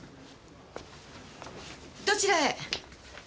どちらへ？